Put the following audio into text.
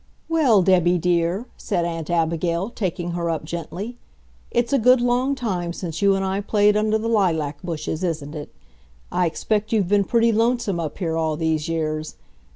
"Well, Debby dear," said Aunt Abigail, taking her up gently. "It's a good long time since you and I played under the lilac bushes, isn't it? I expect you've been pretty lonesome up here all these years.